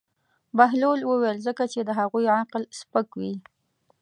بهلول وویل: ځکه چې د هغوی عقل سپک وي.